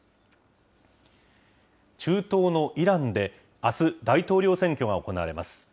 中東のイランで、あす、大統領選挙が行われます。